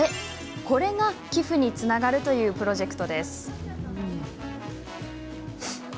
これが寄付につながるというプロジェクトです。